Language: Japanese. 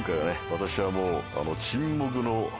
私はもう。